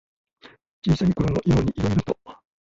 小さいころのようにいろいろと。